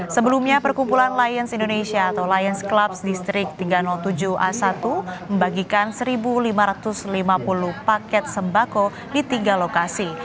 sebelumnya perkumpulan lions indonesia atau lions clubs distrik tiga ratus tujuh a satu membagikan satu lima ratus lima puluh paket sembako di tiga lokasi